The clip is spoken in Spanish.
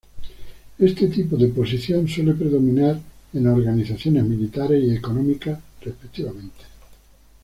Este tipo de posición suele predominar en organizaciones militares y económicas, respectivamente.